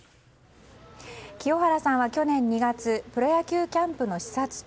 清原さんは去年２月プロ野球キャンプの視察中